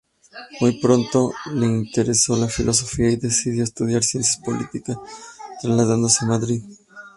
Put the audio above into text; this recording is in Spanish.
Muy pronto le interesó la filosofía y decidió estudiar Ciencias Políticas trasladándose a Madrid.